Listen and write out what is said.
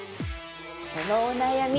そのお悩み